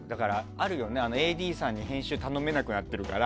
あるよね、ＡＤさんに編集を頼めなくなってるから。